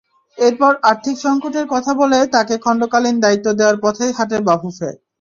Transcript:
এরপর আর্থিক সংকটের কথা বলে তাঁকে খণ্ডকালীন দায়িত্ব দেওয়ার পথেই হাঁটে বাফুফে।